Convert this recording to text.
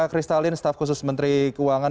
kristalin staf khusus menteri keuangan